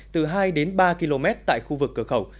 từ hai đến ba km tại khu vực cửa khẩu